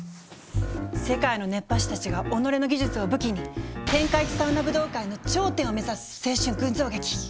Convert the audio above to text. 世界の熱波師たちが己の技術を武器に「天下一サウナ武道会」の頂点を目指す青春群像劇！